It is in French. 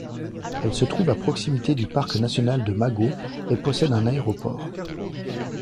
Elle se trouve à proximité du Parc national de Mago et possède un aéroport.